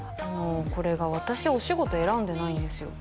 これが私お仕事選んでないんですよ